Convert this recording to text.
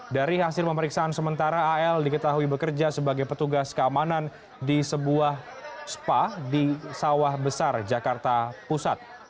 dari hasil pemeriksaan sementara al diketahui bekerja sebagai petugas keamanan di sebuah spa di sawah besar jakarta pusat